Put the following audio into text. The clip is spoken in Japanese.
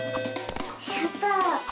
やった！